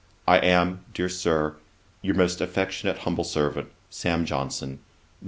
'I am, dear Sir, 'Your most affectionate humble servant, 'SAM. JOHNSON.' 'Nov.